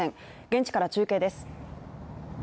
現地から中継です。